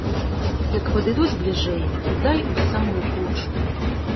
Як падыдуць бліжэй, кідай у самую кучу.